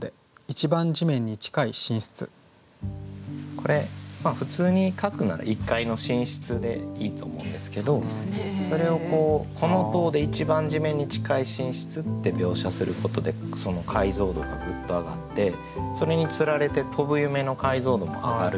これ普通に書くなら「１階の寝室」でいいと思うんですけどそれを「この棟で一番地面に近い寝室」って描写することでその解像度がグッと上がってそれにつられて「飛ぶ夢」の解像度も上がるような感覚が。